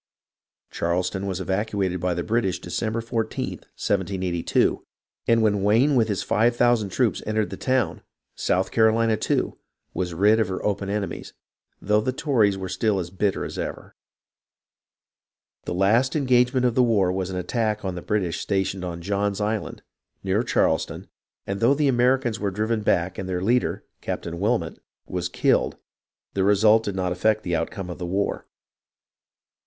Charleston was evacuated by the British December 14th, 1782, and when Wayne with his five thou sand troops entered the town, South Carolina, too, was rid of her open enemies, though the Tories were still as bitter as ever. The last engagement of the war was an attack on the British stationed on John's Island, near Charleston, and though the Americans were driven back and their leader. Captain Wilmot, was killed, the result did not affect the outcome of the war.